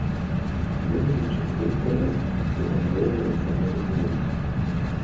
Ён ужо чацвёрты раз уганароўваецца гэтым званнем.